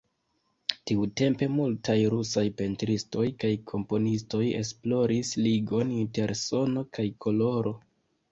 Tiutempe multaj rusaj pentristoj kaj komponistoj esploris ligon inter sono kaj koloro.